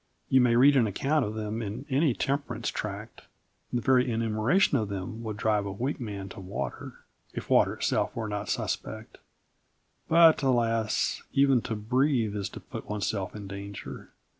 You may read an account of them in any temperance tract. The very enumeration of them would drive a weak man to water, if water itself were not suspect. But, alas, even to breathe is to put oneself in danger.